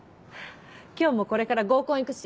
今日もこれから合コン行くし。